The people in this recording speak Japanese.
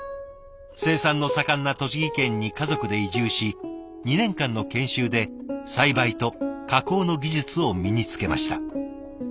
生産の盛んな栃木県に家族で移住し２年間の研修で栽培と加工の技術を身につけました。